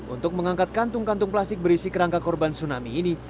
untuk mengangkat kantung kantung plastik berisi kerangka korban tsunami ini